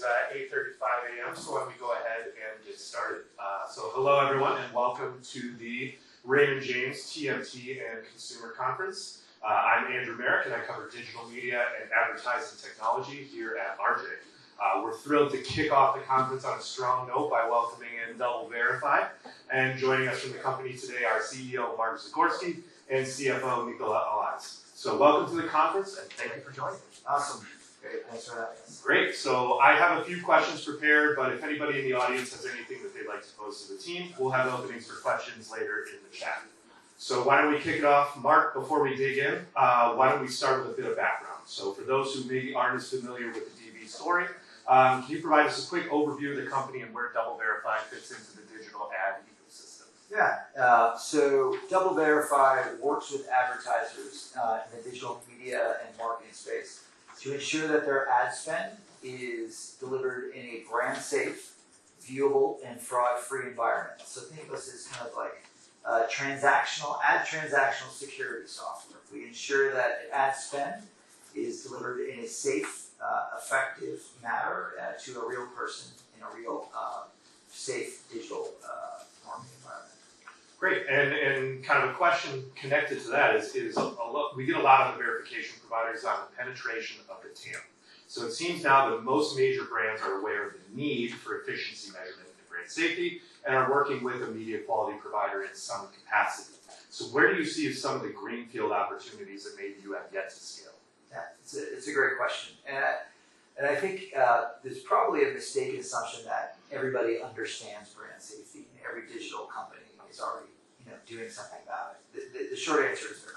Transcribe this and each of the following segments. All right, it is, 8:35 A.M., so why don't we go ahead and get started? So hello everyone, and welcome to the Raymond James TMT and Consumer Conference. I'm Andrew Marok, and I cover digital media and advertising technology here at RJ. We're thrilled to kick off the conference on a strong note by welcoming in DoubleVerify. And joining us from the company today are CEO Mark Zagorski and CFO Nicola Allais. So welcome to the conference, and thank you for joining us. Awesome. Great, thanks for that. Great, so I have a few questions prepared, but if anybody in the audience has anything that they'd like to pose to the team, we'll have openings for questions later in the chat. Why don't we kick it off, Mark? Before we dig in, why don't we start with a bit of background? For those who maybe aren't as familiar with the DV story, can you provide us a quick overview of the company and where DoubleVerify fits into the digital ad ecosystem? Yeah. So DoubleVerify works with advertisers in the digital media and marketing space to ensure that their ad spend is delivered in a brand-safe, viewable, and fraud-free environment. So think of us as kind of like a transactional, ad transactional security software. We ensure that ad spend is delivered in a safe, effective manner to a real person in a real, safe digital marketing environment. Great, kind of a question connected to that is, we get a lot of the verification providers on the penetration of the TAM. So it seems now that most major brands are aware of the need for efficiency measurement and brand safety, and are working with a media quality provider in some capacity. So where do you see some of the greenfield opportunities that maybe you have yet to scale? Yeah, it's a great question. And I think there's probably a mistaken assumption that everybody understands brand safety, and every digital company is already, you know, doing something about it. The short answer is they're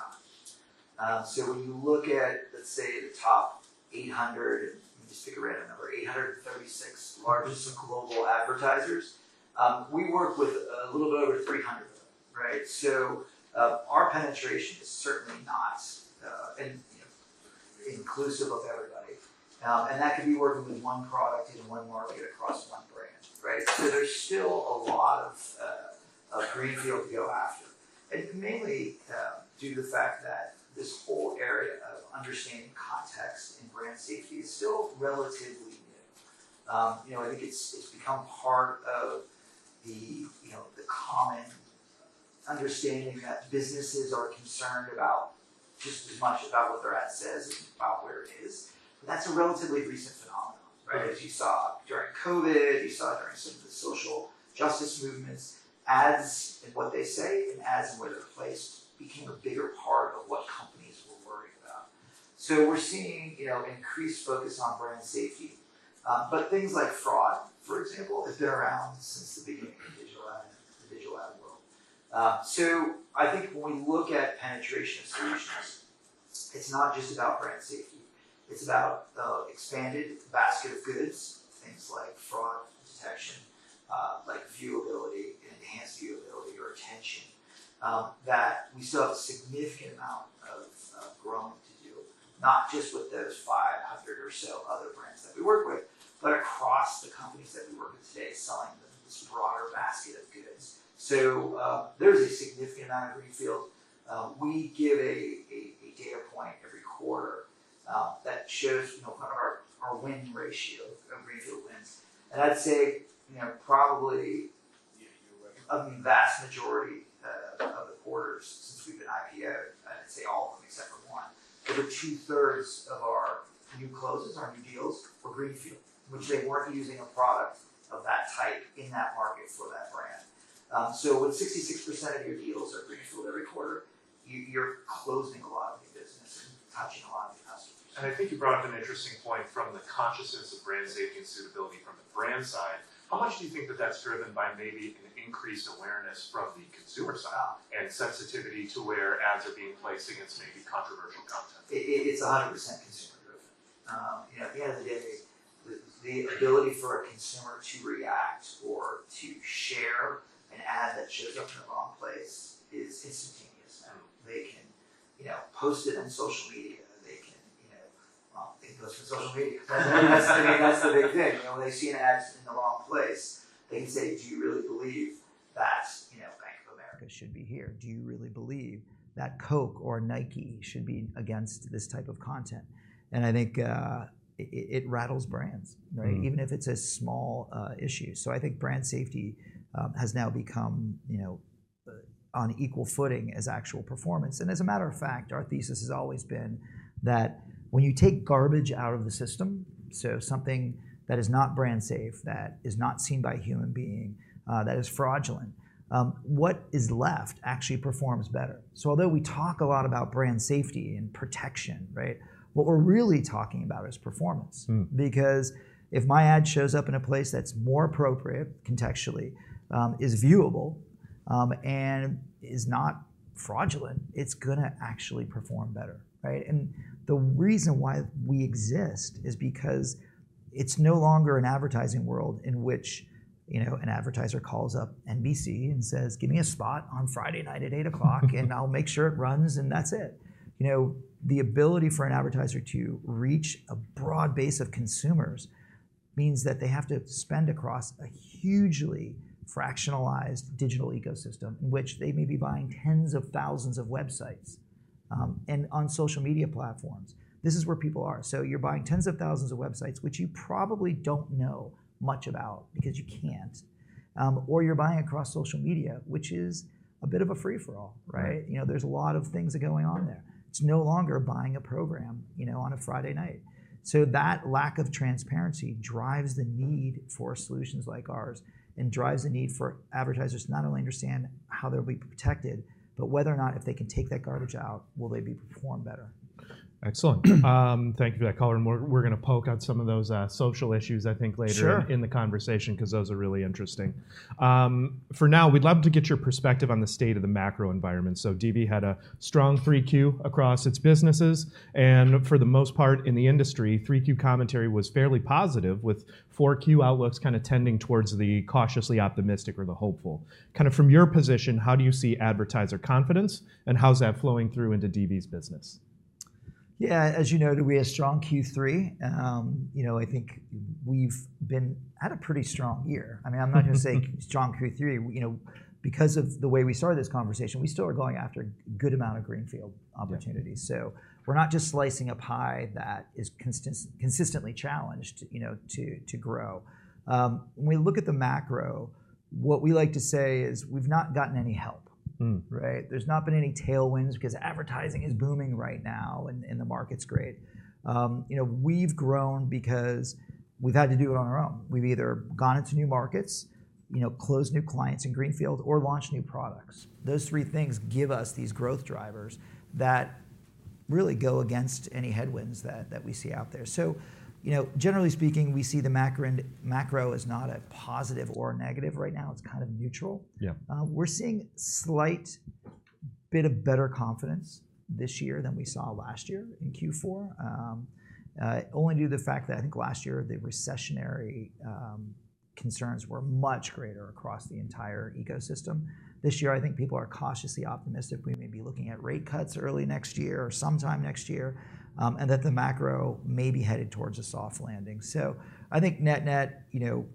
not. So when you look at, let's say, the top 800, let me just take a random number, 836 largest global advertisers, we work with a little bit over 300 of them, right? So our penetration is certainly not inclusive of everybody. And that could be working with one product in one market across one brand, right? So there's still a lot of greenfield to go after. And mainly due to the fact that this whole area of understanding context and brand safety is still relatively new. You know, I think it's become part of the, you know, the common understanding that businesses are concerned about just as much about what their ad says, about where it is. That's a relatively recent phenomenon, right? As you saw during COVID, you saw during some of the social justice movements, ads and what they say, and ads and where they're placed, became a bigger part of what companies were worried about. So we're seeing, you know, increased focus on brand safety. But things like fraud, for example, have been around since the beginning of the digital ad world. So, I think when we look at penetration solutions, it's not just about brand safety, it's about the expanded basket of goods, things like fraud detection, like viewability, enhanced viewability or attention, that we still have a significant amount of growing to do, not just with those 500 or so other brands that we work with, but across the companies that we work with today, selling them this broader basket of goods. So, there's a significant amount of greenfield. We give a data point every quarter that shows, you know, kind of our win ratio of greenfield wins. I'd say, you know, probably a vast majority of the quarters since we've been IPO, I'd say all of them except for one, over two-thirds of our new closes, our new deals, were greenfield, which they weren't using a product of that type in that market for that brand. So when 66% of your deals are greenfield every quarter, you're closing a lot of new business and touching a lot of new customers. I think you brought up an interesting point from the consciousness of Brand Safety and Suitability from the brand side. How much do you think that that's driven by maybe an increased awareness from the consumer side? Oh... and sensitivity to where ads are being placed against maybe controversial content? It's 100% consumer driven. You know, at the end of the day, the ability for a consumer to react or to share an ad that shows up in the wrong place is instantaneous. And they can, you know, post it on social media, they can, you know... well, they post on social media. That's, I mean, that's the big thing. You know, when they see an ad in the wrong place, they can say: "Do you really believe that, you know, Bank of America should be here? Do you really believe that Coke or Nike should be against this type of content?" And I think, it rattles brands, right- Mm-hmm... even if it's a small issue. So I think Brand Safety has now become, you know, on equal footing as actual performance. And as a matter of fact, our thesis has always been that when you take garbage out of the system, so something that is not brand safe, that is not seen by a human being, that is fraudulent, what is left actually performs better. So although we talk a lot about Brand Safety and protection, right, what we're really talking about is performance. Mm. Because if my ad shows up in a place that's more appropriate contextually, is viewable, and is not fraudulent, it's gonna actually perform better, right? And the reason why we exist is because it's no longer an advertising world in which, you know, an advertiser calls up NBC and says, "Give me a spot on Friday night at 8:00 P.M., and I'll make sure it runs," and that's it. You know, the ability for an advertiser to reach a broad base of consumers means that they have to spend across a hugely fractionalized digital ecosystem, in which they may be buying tens of thousands of websites, and on social media platforms. This is where people are. So you're buying tens of thousands of websites, which you probably don't know much about because you can't. or you're buying across social media, which is a bit of a free-for-all, right? Right. You know, there's a lot of things going on there. It's no longer buying a program, you know, on a Friday night. So that lack of transparency drives the need for solutions like ours and drives the need for advertisers to not only understand how they'll be protected, but whether or not, if they can take that garbage out, will they be perform better? Excellent. Thank you for that color. We're gonna poke on some of those social issues, I think, later- Sure... in the conversation, 'cause those are really interesting. For now, we'd love to get your perspective on the state of the macro environment. So DV had a strong 3Q across its businesses, and for the most part in the industry, 3Q commentary was fairly positive, with 4Q outlooks kind of tending towards the cautiously optimistic or the hopeful. Kind of from your position, how do you see advertiser confidence, and how's that flowing through into DV's business? Yeah, as you noted, we had a strong Q3. You know, I think we've had a pretty strong year. I mean, I'm not gonna say strong Q3. You know, because of the way we started this conversation, we still are going after a good amount of greenfield opportunities. Yeah. So we're not just slicing a pie that is consistently challenged, you know, to grow. When we look at the macro, what we like to say is, "We've not gotten any help. Mm. Right? There's not been any tailwinds because advertising is booming right now and the market's great. You know, we've grown because we've had to do it on our own. We've either gone into new markets, you know, closed new clients in greenfield, or launched new products. Those three things give us these growth drivers that really go against any headwinds that we see out there. So, you know, generally speaking, we see the macro as not a positive or a negative right now. It's kind of neutral. Yeah. We're seeing slight bit of better confidence this year than we saw last year in Q4. Only due to the fact that I think last year, the recessionary concerns were much greater across the entire ecosystem. This year, I think people are cautiously optimistic. We may be looking at rate cuts early next year or sometime next year, and that the macro may be headed towards a soft landing. So I think net-net, you know,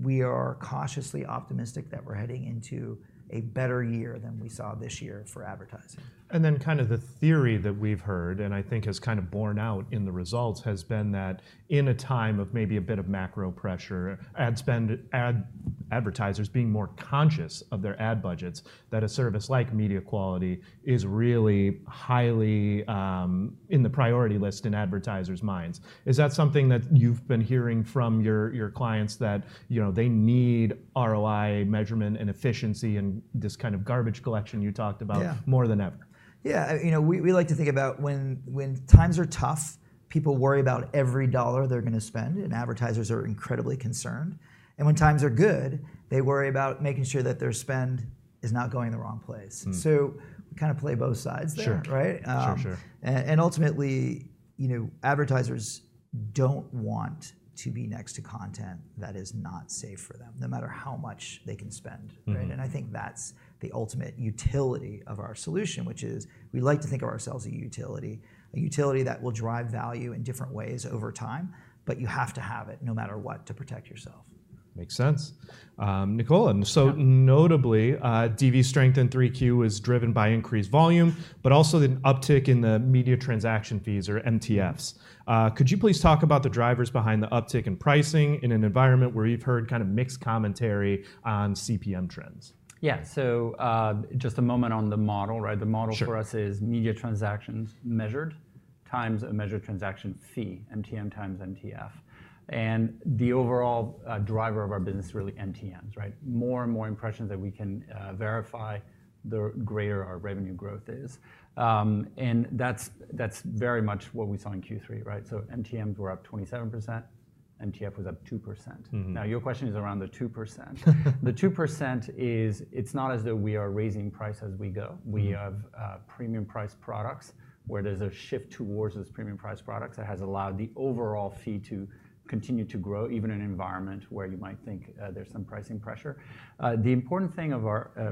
we are cautiously optimistic that we're heading into a better year than we saw this year for advertising. Then kind of the theory that we've heard, and I think has kind of borne out in the results, has been that in a time of maybe a bit of macro pressure, ad spend, advertisers being more conscious of their ad budgets, that a service like MediaQuality is really highly in the priority list in advertisers' minds. Is that something that you've been hearing from your clients that, you know, they need ROI, measurement, and efficiency, and this kind of garbage collection you talked about? Yeah... more than ever? Yeah. You know, we like to think about when times are tough, people worry about every dollar they're gonna spend, and advertisers are incredibly concerned. When times are good, they worry about making sure that their spend is not going in the wrong place. Mm. We kind of play both sides there- Sure... right? Sure, sure. Ultimately, you know, advertisers don't want to be next to content that is not safe for them, no matter how much they can spend. Mm-hmm. Right? And I think that's the ultimate utility of our solution, which is we like to think of ourselves a utility, a utility that will drive value in different ways over time, but you have to have it no matter what, to protect yourself. Makes sense. Nicola, and so- Yep... notably, DV's strength in 3Q was driven by increased volume, but also the uptick in the media transaction fees, or MTFs. Could you please talk about the drivers behind the uptick in pricing in an environment where you've heard kind of mixed commentary on CPM trends? Yeah. So, just a moment on the model, right? Sure. The model for us is media transactions measured times a measured transaction fee, MTM times MTF. The overall driver of our business is really MTMs, right? More and more impressions that we can verify, the greater our revenue growth is. That's, that's very much what we saw in Q3, right? MTMs were up 27%, MTF was up 2%. Mm-hmm. Now, your question is around the 2%. The 2% is, it's not as though we are raising price as we go. Mm. We have premium priced products, where there's a shift towards this premium priced product that has allowed the overall fee to continue to grow, even in an environment where you might think there's some pricing pressure. The important thing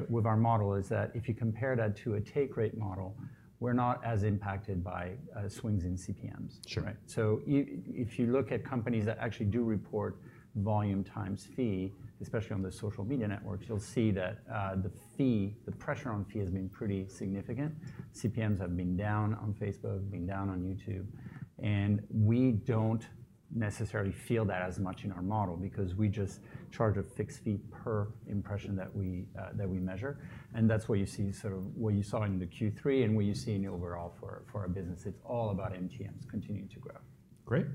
with our model is that if you compare that to a take rate model, we're not as impacted by swings in CPMs. Sure. Right. So if you look at companies that actually do report volume times fee, especially on the social media networks, you'll see that the fee, the pressure on fee has been pretty significant. CPMs have been down on Facebook, been down on YouTube, and we don't necessarily feel that as much in our model because we just charge a fixed fee per impression that we measure, and that's what you see, sort of what you saw in the Q3 and what you see in overall for our business. It's all about MTMs continuing to grow. Great.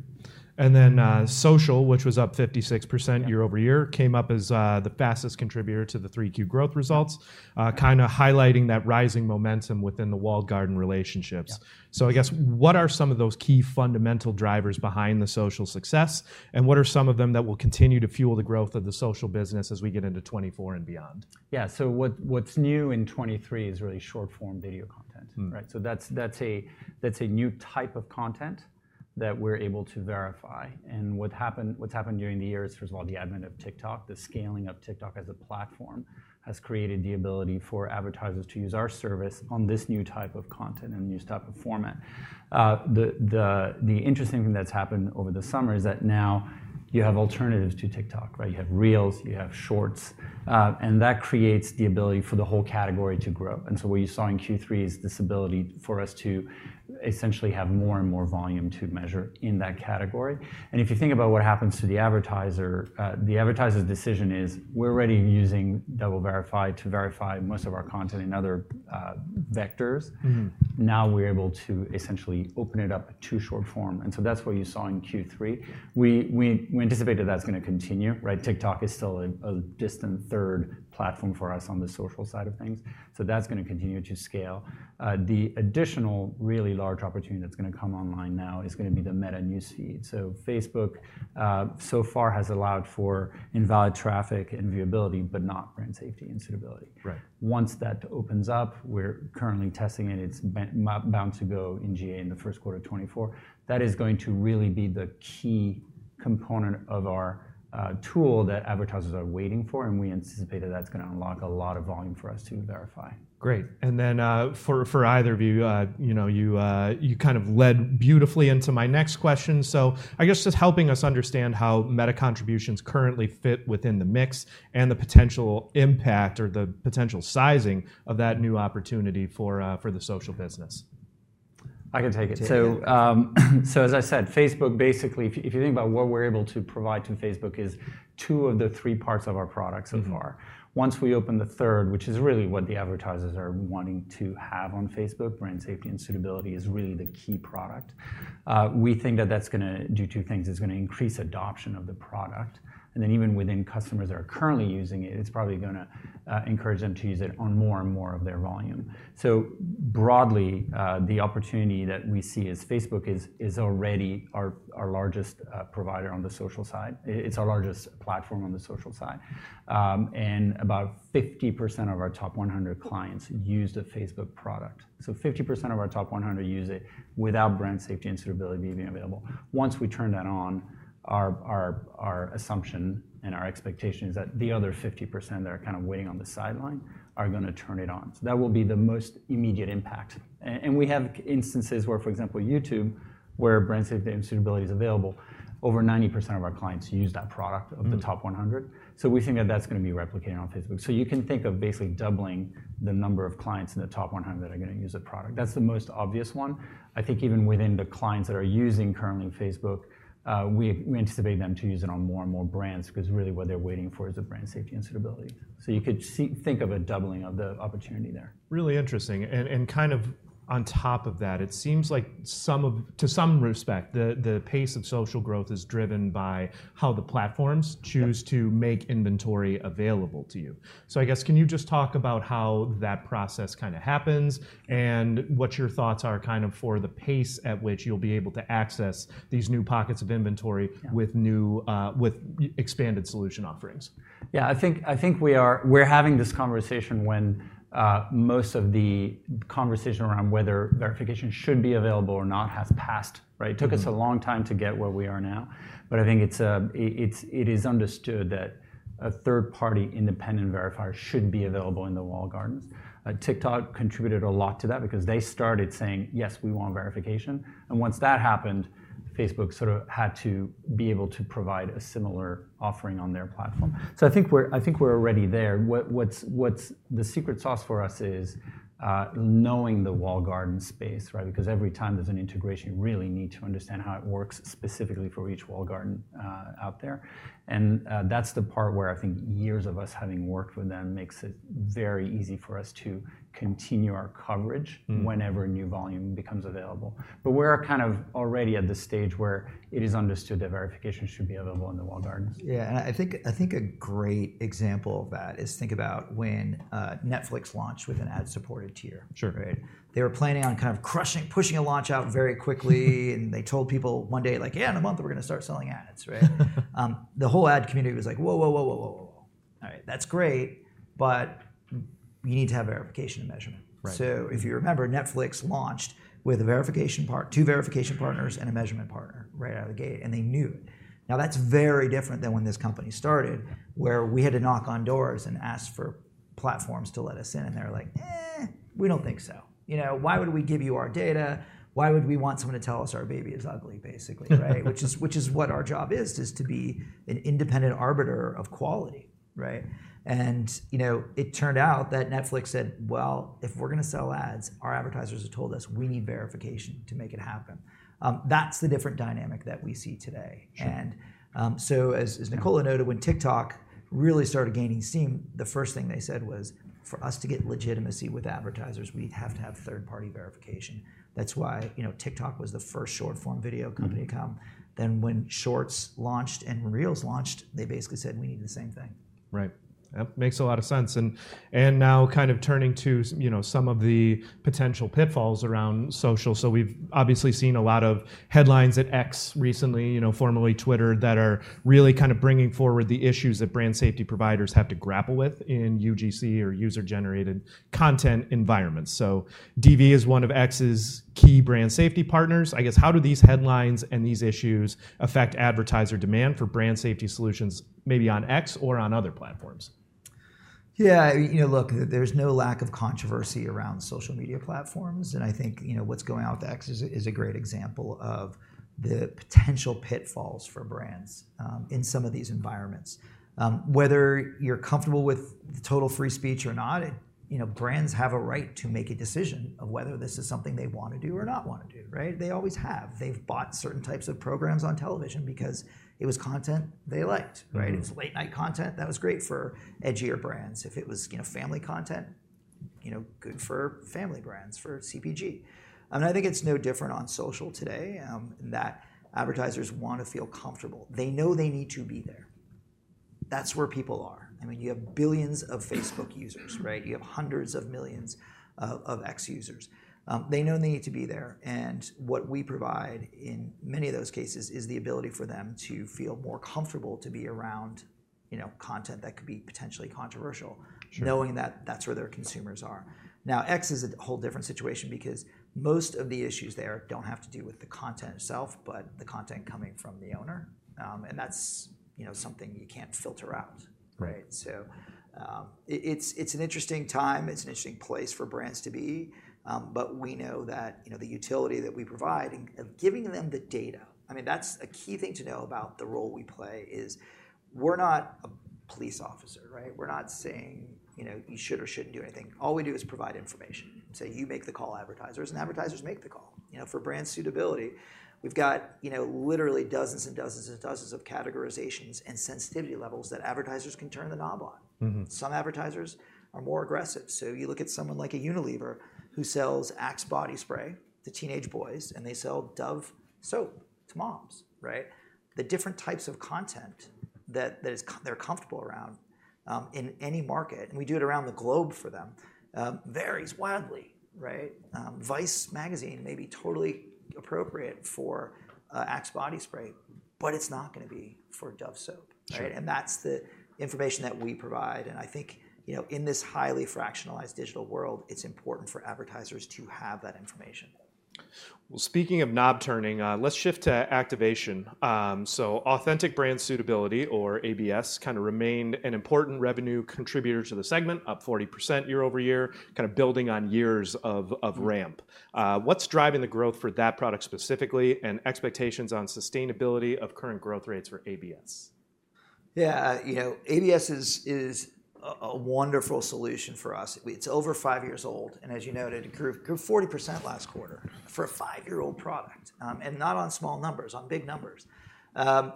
And then, social, which was up 56%- Yeah... year-over-year, came up as, the fastest contributor to the 3Q growth results- Yeah... kind of highlighting that rising momentum within the Walled Garden relationships. Yeah. I guess, what are some of those key fundamental drivers behind the social success, and what are some of them that will continue to fuel the growth of the social business as we get into 2024 and beyond? Yeah, so what, what's new in 2023 is really short-form video content. Mm. Right? So that's a new type of content that we're able to verify. And what's happened during the year is, first of all, the advent of TikTok, the scaling of TikTok as a platform, has created the ability for advertisers to use our service on this new type of content and new type of format... The interesting thing that's happened over the summer is that now you have alternatives to TikTok, right? You have Reels, you have Shorts, and that creates the ability for the whole category to grow. And so what you saw in Q3 is this ability for us to essentially have more and more volume to measure in that category. If you think about what happens to the advertiser, the advertiser's decision is, we're already using DoubleVerify to verify most of our content in other vectors. Mm-hmm. Now, we're able to essentially open it up to short-form, and so that's what you saw in Q3. We anticipated that's gonna continue, right? TikTok is still a distant third platform for us on the social side of things, so that's gonna continue to scale. The additional really large opportunity that's gonna come online now is gonna be the Meta News Feed. So Facebook so far has allowed for invalid traffic and viewability, but not brand safety and suitability. Right. Once that opens up, we're currently testing it, it's bound to go in GA in the first quarter of 2024, that is going to really be the key component of our tool that advertisers are waiting for, and we anticipate that that's gonna unlock a lot of volume for us to verify. Great. And then, for either of you, you know, you kind of led beautifully into my next question. So I guess just helping us understand how Meta contributions currently fit within the mix, and the potential impact or the potential sizing of that new opportunity for the social business? I can take it. Take it, yeah. As I said, Facebook, basically, if you think about what we're able to provide to Facebook, is two of the three parts of our product so far. Mm-hmm. Once we open the third, which is really what the advertisers are wanting to have on Facebook, brand safety and suitability is really the key product, we think that that's gonna do two things: It's gonna increase adoption of the product, and then even within customers that are currently using it, it's probably gonna encourage them to use it on more and more of their volume. So broadly, the opportunity that we see is Facebook is already our largest provider on the social side. It's our largest platform on the social side. And about 50% of our top 100 clients use the Facebook product. So 50% of our top 100 use it without brand safety and suitability being available. Once we turn that on, our assumption and our expectation is that the other 50% that are kind of waiting on the sideline are gonna turn it on. So that will be the most immediate impact. And we have instances where, for example, YouTube, where brand safety and suitability is available, over 90% of our clients use that product- Mm... of the top 100. We think that that's gonna be replicated on Facebook. You can think of basically doubling the number of clients in the top 100 that are gonna use the product. That's the most obvious one. I think even within the clients that are using currently Facebook, we anticipate them to use it on more and more brands, 'cause really what they're waiting for is the Brand Safety and Suitability. You could see... think of a doubling of the opportunity there. Really interesting. And kind of on top of that, it seems like to some respect, the pace of social growth is driven by how the platforms choose- Yeah... to make inventory available to you. So I guess, can you just talk about how that process kind of happens, and what your thoughts are kind of for the pace at which you'll be able to access these new pockets of inventory- Yeah... with new, with expanded solution offerings? Yeah, I think, I think we're having this conversation when most of the conversation around whether verification should be available or not has passed, right? Mm. It took us a long time to get where we are now, but I think it is understood that a third-party independent verifier should be available in the walled gardens. TikTok contributed a lot to that because they started saying: Yes, we want verification. Once that happened, Facebook sort of had to be able to provide a similar offering on their platform. So I think we're already there. What's the secret sauce for us is knowing the walled garden space, right? Because every time there's an integration, you really need to understand how it works specifically for each walled garden out there. And that's the part where I think years of us having worked with them makes it very easy for us to continue our coverage- Mm... whenever a new volume becomes available. We're kind of already at the stage where it is understood that verification should be available in the walled gardens. Yeah, and I think, I think a great example of that is, think about when, Netflix launched with an ad-supported tier. Sure. Right? They were planning on kind of crushing, pushing a launch out very quickly-... and they told people one day, like: "Yeah, in a month we're gonna start selling ads," right? The whole ad community was like, "Whoa, whoa, whoa, whoa, whoa, whoa, whoa. All right, that's great, but you need to have verification and measurement. Right. So if you remember, Netflix launched with a verification partner... two verification partners and a measurement partner right out of the gate, and they knew. Now, that's very different than when this company started, where we had to knock on doors and ask for platforms to let us in, and they're like, "Eh, we don't think so. You know, why would we give you our data? Why would we want someone to tell us our baby is ugly, basically?" Right, which is, which is what our job is, is to be an independent arbiter of quality, right? And, you know, it turned out that Netflix said: "Well, if we're gonna sell ads, our advertisers have told us we need verification to make it happen." That's the different dynamic that we see today. Sure. So, as Nicola noted- Yeah... when TikTok really started gaining steam, the first thing they said was, "For us to get legitimacy with advertisers, we have to have third-party verification." That's why, you know, TikTok was the first short-form video company to come. Mm. Then, when Shorts launched and Reels launched, they basically said: "We need the same thing. Right. That makes a lot of sense. And, and now kind of turning to, you know, some of the potential pitfalls around social, so we've obviously seen a lot of headlines at X recently, you know, formerly Twitter, that are really kind of bringing forward the issues that brand safety providers have to grapple with in UGC or user-generated content environments. So DV is one of X's key brand safety partners. I guess, how do these headlines and these issues affect advertiser demand for brand safety solutions, maybe on X or on other platforms? ... Yeah, you know, look, there's no lack of controversy around social media platforms, and I think, you know, what's going on with X is a great example of the potential pitfalls for brands in some of these environments. Whether you're comfortable with the total free speech or not, you know, brands have a right to make a decision of whether this is something they want to do or not want to do, right? They always have. They've bought certain types of programs on television because it was content they liked, right? Mm-hmm. If it's late-night content, that was great for edgier brands. If it was, you know, family content, you know, good for family brands, for CPG. I think it's no different on social today, in that advertisers want to feel comfortable. They know they need to be there. That's where people are. I mean, you have billions of Facebook users, right? You have hundreds of millions of X users. They know they need to be there, and what we provide, in many of those cases, is the ability for them to feel more comfortable to be around, you know, content that could be potentially controversial- Sure... knowing that that's where their consumers are. Now, X is a whole different situation because most of the issues there don't have to do with the content itself, but the content coming from the owner. And that's, you know, something you can't filter out. Right. So, it's an interesting time, it's an interesting place for brands to be, but we know that, you know, the utility that we provide and giving them the data... I mean, that's a key thing to know about the role we play, is we're not a police officer, right? We're not saying, you know, "You should or shouldn't do anything." All we do is provide information and say, "You make the call, advertisers," and advertisers make the call. You know, for Brand Suitability, we've got, you know, literally dozens and dozens and dozens of categorizations and sensitivity levels that advertisers can turn the knob on. Mm-hmm. Some advertisers are more aggressive. So you look at someone like a Unilever who sells Axe body spray to teenage boys, and they sell Dove soap to moms, right? The different types of content that they're comfortable around, in any market, and we do it around the globe for them, varies wildly, right? Vice Magazine may be totally appropriate for Axe body spray, but it's not gonna be for Dove soap, right? Sure. That's the information that we provide, and I think, you know, in this highly fractionalized digital world, it's important for advertisers to have that information. Well, speaking of knob turning, let's shift to activation. So Authentic Brand Suitability, or ABS, kind of remained an important revenue contributor to the segment, up 40% year-over-year, kind of building on years of ramp. Mm-hmm. What's driving the growth for that product specifically, and expectations on sustainability of current growth rates for ABS? Yeah, you know, ABS is a wonderful solution for us. It's over five years old, and as you noted, it grew 40% last quarter for a five-year-old product, and not on small numbers, on big numbers. I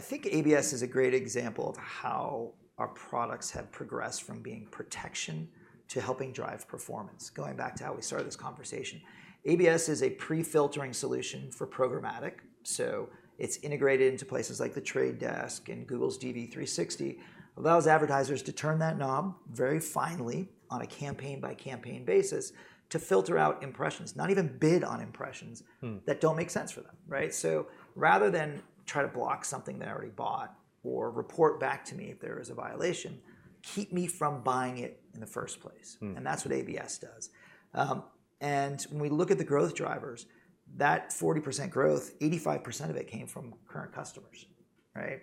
think ABS is a great example of how our products have progressed from being protection to helping drive performance, going back to how we started this conversation. ABS is a pre-filtering solution for programmatic, so it's integrated into places like The Trade Desk and Google's DV 360. Allows advertisers to turn that knob very finely on a campaign-by-campaign basis to filter out impressions, not even bid on impressions- Hmm... that don't make sense for them, right? So rather than try to block something they already bought or report back to me if there is a violation, keep me from buying it in the first place. Hmm. That's what ABS does. When we look at the growth drivers, that 40% growth, 85% of it came from current customers, right?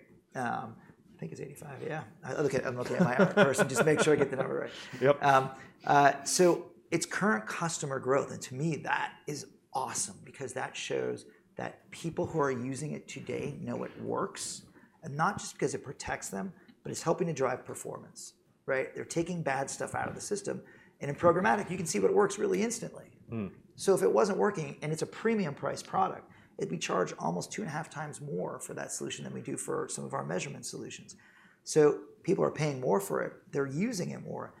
I think it's 85. Yeah. I'm looking at my own personal... just to make sure I get the number right. Yep. It's current customer growth, and to me, that is awesome because that shows that people who are using it today know it works, and not just because it protects them, but it's helping to drive performance, right? They're taking bad stuff out of the system, and in programmatic, you can see what works really instantly. Hmm. So if it wasn't working, and it's a premium-priced product, it'd be charged almost 2.5x more for that solution than we do for some of our measurement solutions. So people are paying more for it, they're using it more,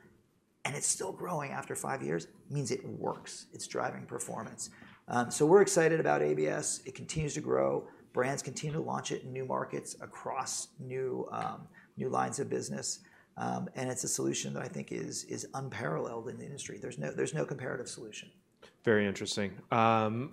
and it's still growing after five years, means it works. It's driving performance. So we're excited about ABS. It continues to grow. Brands continue to launch it in new markets across new, new lines of business, and it's a solution that I think is, is unparalleled in the industry. There's no, there's no comparative solution. Very interesting.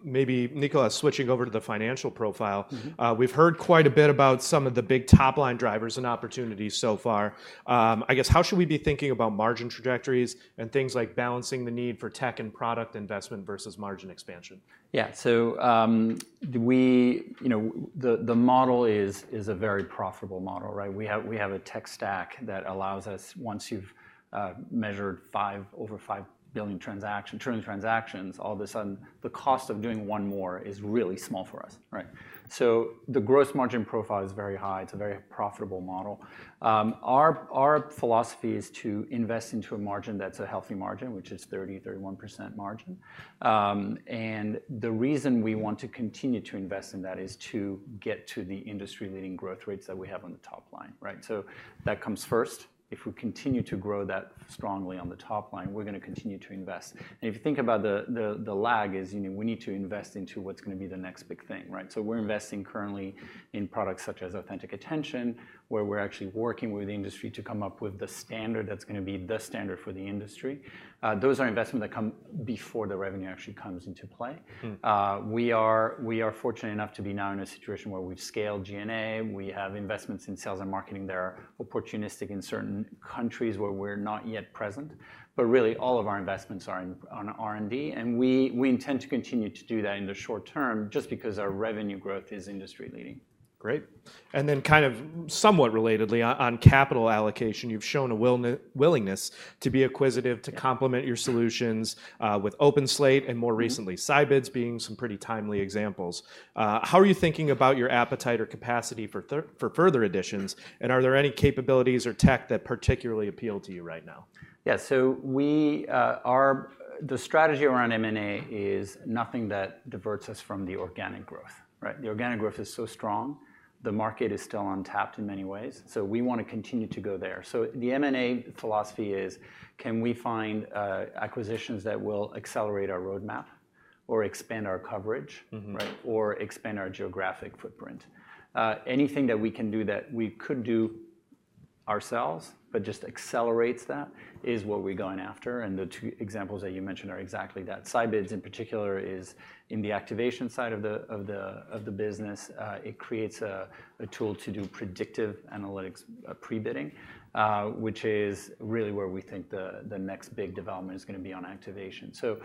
Maybe, Nicola, switching over to the financial profile. Mm-hmm. We've heard quite a bit about some of the big top-line drivers and opportunities so far. I guess, how should we be thinking about margin trajectories and things like balancing the need for tech and product investment versus margin expansion? Yeah. So, you know, the model is a very profitable model, right? We have a tech stack that allows us, once you've measured over 5 trillion transactions, all of a sudden, the cost of doing one more is really small for us, right? So the gross margin profile is very high. It's a very profitable model. Our philosophy is to invest into a margin that's a healthy margin, which is 30%-31% margin. And the reason we want to continue to invest in that is to get to the industry-leading growth rates that we have on the top line, right? So that comes first. If we continue to grow that strongly on the top line, we're gonna continue to invest. If you think about the lag, you know, we need to invest into what's gonna be the next big thing, right? So we're investing currently in products such as Authentic Attention, where we're actually working with the industry to come up with the standard that's gonna be the standard for the industry. Those are investments that come before the revenue actually comes into play. Hmm. We are fortunate enough to be now in a situation where we've scaled G&A. We have investments in sales and marketing that are opportunistic in certain countries where we're not yet present. But really, all of our investments are in on R&D, and we intend to continue to do that in the short term, just because our revenue growth is industry-leading. Great. And then kind of somewhat relatedly, on capital allocation, you've shown a willingness to be acquisitive, to complement your solutions with OpenSlate and more recently, Scibids being some pretty timely examples. How are you thinking about your appetite or capacity for further additions, and are there any capabilities or tech that particularly appeal to you right now? Yeah, so we, our strategy around M&A is nothing that diverts us from the organic growth, right? The organic growth is so strong, the market is still untapped in many ways, so we want to continue to go there. So the M&A philosophy is: Can we find acquisitions that will accelerate our roadmap or expand our coverage- Mm-hmm. Right, or expand our geographic footprint? Anything that we can do that we could do ourselves, but just accelerates that, is what we're going after, and the two examples that you mentioned are exactly that. Scibids in particular is in the activation side of the business. It creates a tool to do predictive analytics, pre-bidding, which is really where we think the next big development is gonna be on activation. So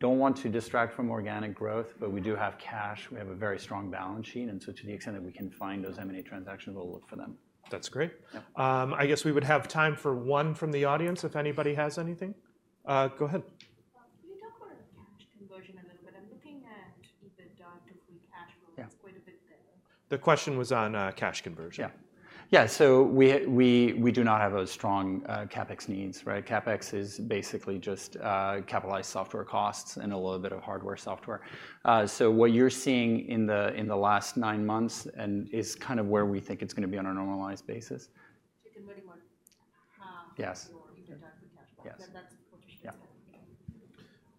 don't want to distract from organic growth, but we do have cash. We have a very strong balance sheet, and so to the extent that we can find those M&A transactions, we'll look for them. That's great. Yeah. I guess we would have time for one from the audience, if anybody has anything. Go ahead. Can you talk about cash conversion a little bit? I'm looking at the EBITDA to free cash flow. Yeah. It's quite a bit there. The question was on cash conversion. Yeah. Yeah, so we do not have a strong CapEx needs, right? CapEx is basically just capitalized software costs and a little bit of hardware/software. So what you're seeing in the last nine months and is kind of where we think it's gonna be on a normalized basis. You can pretty much, Yes. Or EBITDA for cash flow. Yes. That, that's what you said. Yeah.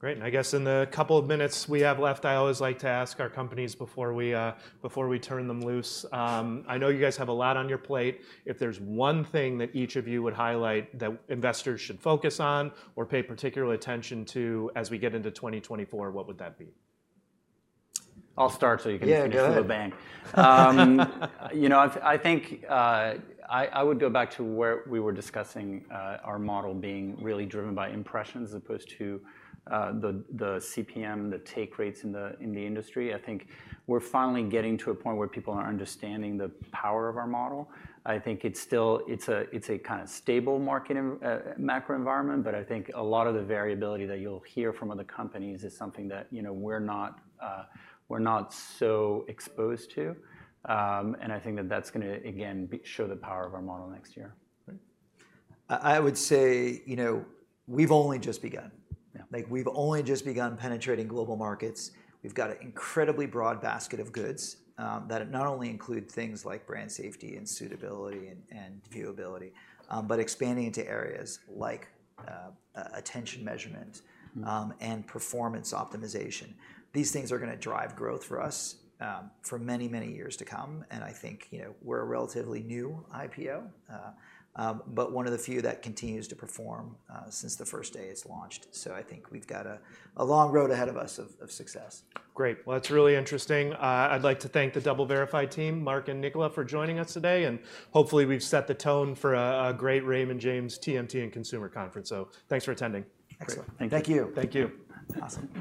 Great. I guess in the couple of minutes we have left, I always like to ask our companies before we, before we turn them loose. I know you guys have a lot on your plate. If there's one thing that each of you would highlight that investors should focus on or pay particular attention to as we get into 2024, what would that be? I'll start so you can- Yeah, go ahead. -end with a bang. You know, I think I would go back to where we were discussing our model being really driven by impressions as opposed to the CPM, the take rates in the industry. I think we're finally getting to a point where people are understanding the power of our model. I think it's still... It's a kind of stable market, macro environment, but I think a lot of the variability that you'll hear from other companies is something that, you know, we're not, we're not so exposed to. And I think that that's gonna, again, show the power of our model next year. I would say, you know, we've only just begun. Yeah. Like, we've only just begun penetrating global markets. We've got an incredibly broad basket of goods that not only include things like Brand Safety and Suitability and Viewability, but expanding into areas like attention measurement- Mm-hmm... and performance optimization. These things are gonna drive growth for us, for many, many years to come, and I think, you know, we're a relatively new IPO, but one of the few that continues to perform since the first day it's launched. So I think we've got a long road ahead of us of success. Great. Well, that's really interesting. I'd like to thank the DoubleVerify team, Mark and Nicola, for joining us today, and hopefully, we've set the tone for a great Raymond James TMT and Consumer Conference. Thanks for attending. Excellent. Thank you. Thank you. Awesome.